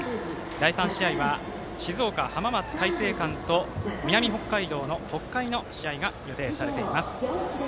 第３試合試合は静岡、浜松開誠館と南北海道の北海の試合が予定されています。